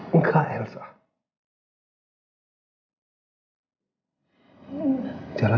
terus sekarang kamu mau janji lagi